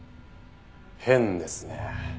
変ですね。